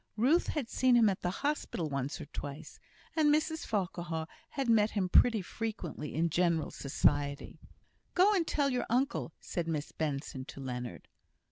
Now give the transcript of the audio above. Ruth had seen him at the hospital once or twice, and Mrs Farquhar had met him pretty frequently in general society. "Go and tell your uncle," said Miss Benson to Leonard.